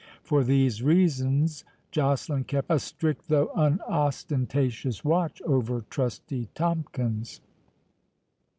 For these reasons Joceline kept a strict, though unostentatious watch over Trusty Tomkins.